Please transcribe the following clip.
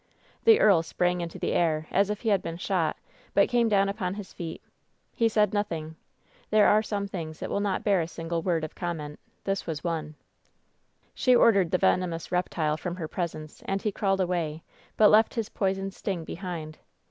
The earl sprang into the air as if he had been shot, but came down upon his feet. He said nothing. There are some things that will not bear a single word of com* ment. This was one. "She ordered the venomous reptile from her presence, and he crawled away, but left his poisoned sting behind.